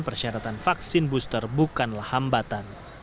persyaratan vaksin booster bukanlah hambatan